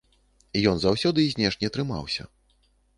Ён заўсёды знешне трымаўся.